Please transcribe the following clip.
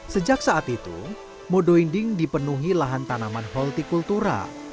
sejak saat itu modo inding dipenuhi lahan tanaman holti kultura